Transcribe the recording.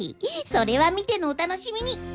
それは見てのお楽しみに！